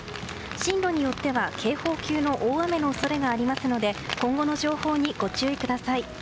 進路によっては警報級の大雨の恐れがありますので今後の情報にご注意ください。